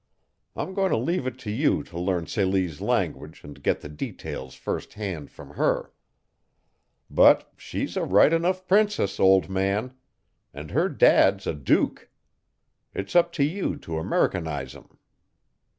I'm going to leave it to you to learn Celie's language and get the details first hand from her. But she's a right enough princess, old man. And her Dad's a duke. It's up to you to Americanize 'em.